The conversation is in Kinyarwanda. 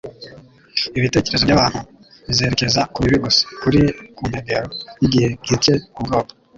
Ibitekerezo by'abantu bizerekeza ku bibi gusa. "kuri ku nkengero y'igihe gitcye ubwoba,